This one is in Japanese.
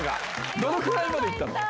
どのくらいまでいったの？